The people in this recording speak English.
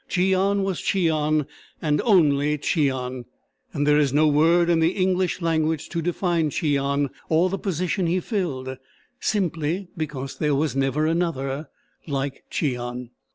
Cheon was Cheon, and only Cheon; and there is no word in the English language to define Cheon or the position he filled, simply because there was never another like Cheon.